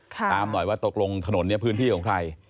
ตามหน่อยว่าตกลงถนนนี้พื้นที่ของใคร